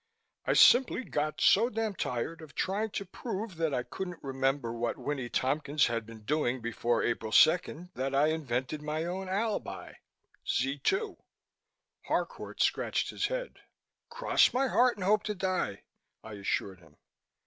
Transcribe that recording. I simply got so damned tired of trying to prove that I couldn't remember what Winnie Tompkins had been doing before April 2, that I invented my own alibi Z 2." Harcourt scratched his head. "Cross my heart and hope to die," I assured him.